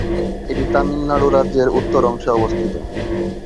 এটি তামিলনাড়ু রাজ্যের উত্তর অংশে অবস্থিত।